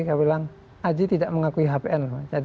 saya bilang aji tidak mengakui hpn